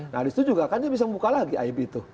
nah disitu juga kan dia bisa membuka lagi aib itu